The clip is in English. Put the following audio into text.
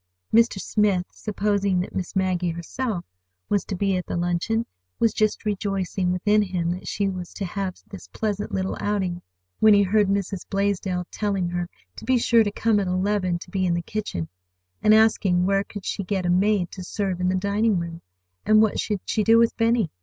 Mr. Smith, supposing that Miss Maggie herself was to be at the luncheon, was just rejoicing within him that she was to have this pleasant little outing, when he heard Mrs. Blaisdell telling her to be sure to come at eleven to be in the kitchen, and asking where could she get a maid to serve in the dining room, and what should she do with Benny.